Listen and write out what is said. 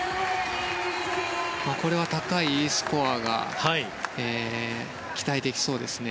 これは高いＥスコアが期待できそうですね。